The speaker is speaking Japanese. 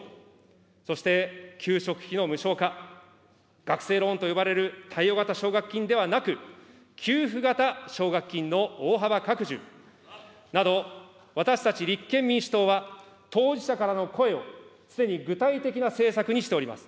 そして給食費の無償化、学生ローンと呼ばれる貸与型奨学金ではなく、給付型奨学金の大幅拡充など、私たち立憲民主党は当事者からの声をすでに具体的な政策にしております。